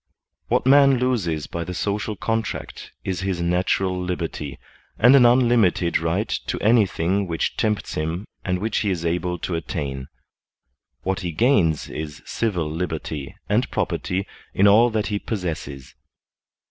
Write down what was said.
What man loses by the social contract is his 1 natural liberty and an unlimited right to anything which ' tempts him and which he is able to attain: what he gains is civil Uberty and property in all that he possesses.